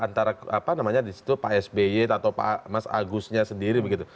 antara apa namanya di situ pak sby atau pak mas agusnya sendiri begitu